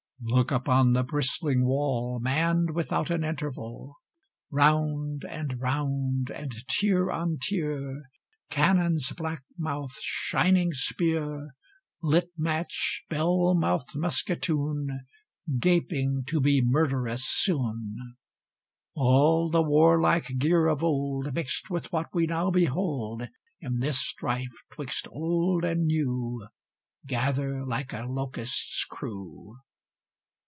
Look upon the bristling wall, Manned without an interval! Round and round, and tier on tier, Cannon's black mouth, shining spear, Lit match, bell mouthed musquetoon, Gaping to be murderous soon All the warlike gear of old, Mixed with what we now behold, In this strife 'twixt old and new, Gather like a locust's crew.